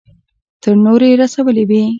تر نورو يې رسولې وي.